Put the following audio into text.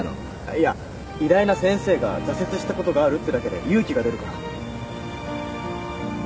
いや偉大な先生が挫折したことがあるってだけで勇気が出るから。